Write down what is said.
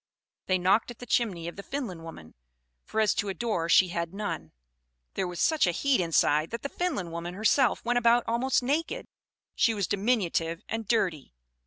They knocked at the chimney of the Finland woman; for as to a door, she had none. There was such a heat inside that the Finland woman herself went about almost naked. She was diminutive and dirty.